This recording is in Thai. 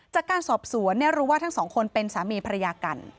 จากการสอบสวนรู้ว่าทั้งสองคนเป็นสามีภรรยากัน